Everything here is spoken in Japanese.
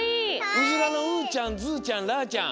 ウズラのうーちゃんずーちゃんらーちゃん。